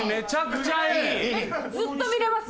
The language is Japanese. ずっと見れます！